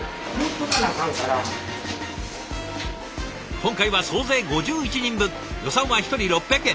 今回は総勢５１人分予算は１人６００円。